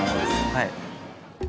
はい。